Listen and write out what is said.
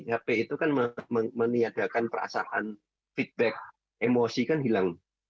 hp itu kan meniadakan perasaan feedback emosi kan hilang